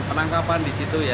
penangkapan di situ ya